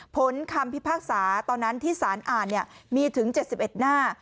คำพิพากษาตอนนั้นที่สารอ่านมีถึง๗๑หน้า